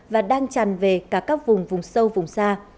và đang tràn về cả các vùng vùng sâu vùng xa